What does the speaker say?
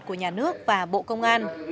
của nhà nước và bộ công an